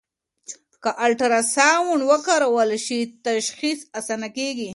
که الټراساؤنډ وکارول شي، تشخیص اسانه کېږي.